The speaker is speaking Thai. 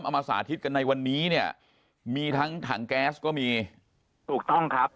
มาสาธิตกันในวันนี้เนี่ยมีทั้งถังแก๊สก็มีถูกต้องครับ